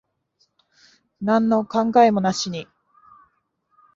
なんの考えもなしに。